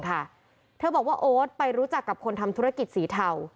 เธอบอกว่าโอ๊ตไปรู้จักกับคนทำธุรกิจสีเทา